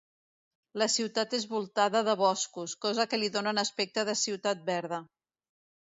La ciutat és voltada de boscos, cosa que li dóna un aspecte de ciutat verda.